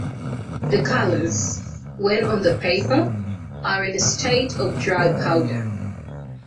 The colours, when on the paper, are in a state of dry powder.